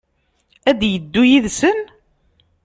Ad d-yeddu yid-sen?